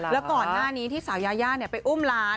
แล้วก่อนหน้านี้ที่สาวยายาไปอุ้มหลาน